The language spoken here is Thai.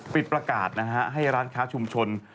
ปิดประกาศนะฮะให้ร้านค้าชุมชน